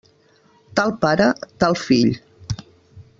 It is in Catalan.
Tal pare, tal fill.